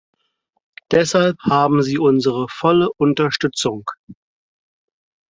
Deshalb haben Sie unsere volle Unterstützung.